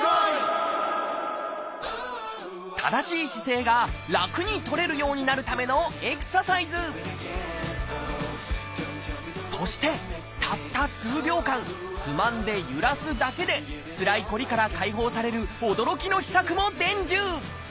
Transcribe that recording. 正しい姿勢が楽にとれるようになるためのそしてたった数秒間つまんでゆらすだけでつらいこりから解放される驚きの秘策も伝授！